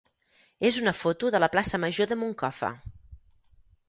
és una foto de la plaça major de Moncofa.